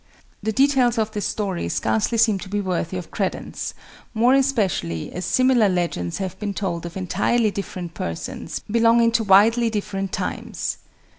The details of this story scarcely seem to be worthy of credence, more especially as similar legends have been told of entirely different persons belonging to widely different times.